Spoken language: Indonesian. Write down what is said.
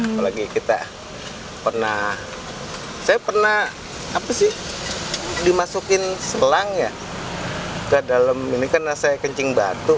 apalagi kita pernah saya pernah apa sih dimasukin selang ya ke dalam ini karena saya kencing batu